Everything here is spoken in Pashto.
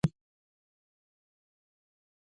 د رسنیو له لارې د مثبت فکر خپرېدل ممکن دي.